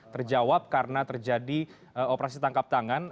terjawab karena terjadi operasi tangkap tangan